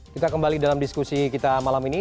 kita kembali dalam diskusi kita malam ini